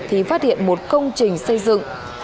thì phát hiện một công trình xây dựng